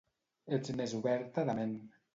Ets més oberta de ment.